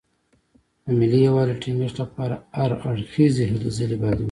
د ملي یووالي ټینګښت لپاره هر اړخیزې هلې ځلې باید وشي.